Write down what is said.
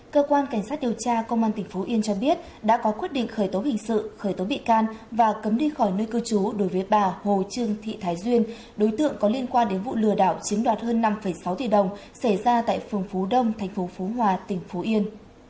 cơ quan cảnh sát điều tra công an tỉnh phú yên cho biết đã có quyết định khởi tố hình sự khởi tố bị can và cấm đi khỏi nơi cư trú đối với bà hồ trương thị thái duyên đối tượng có liên quan đến vụ lừa đảo chiếm đoạt hơn năm sáu tỷ đồng xảy ra tại phường phú đông tp phú hòa tỉnh phú yên